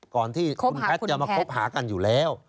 ก่อนที่คุณแพทย์จะมาคบหากันอยู่แล้ว